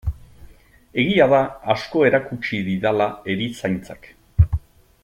Egia da asko erakutsi didala erizaintzak.